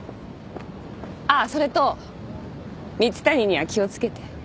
あっそれと蜜谷には気を付けて。